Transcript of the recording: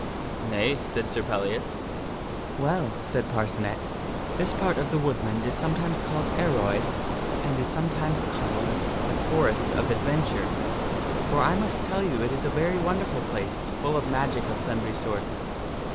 "" Nay," said Sir Pellias. " Well," said Par sirpdKas and cenet, " this part of the woodland is sometimes called Ar parccnet come roy, and is sometimes called the Forest of Adventure. For 5J * I must tell you it is a very wonderful place, full of magic of sundry sorts.